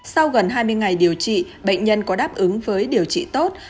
sau gần hai mươi ngày điều trị bệnh nhân có đáp ứng với điều trị tốt